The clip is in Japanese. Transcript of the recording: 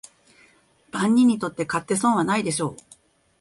万人にとって買って損はないでしょう